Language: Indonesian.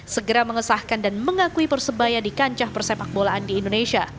segera mengesahkan dan mengakui persebaya di kancah persepak bolaan di indonesia